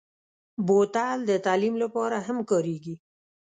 بوتل د تعلیم لپاره هم کارېږي.